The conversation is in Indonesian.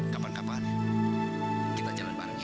kapan kapan kita jalan bareng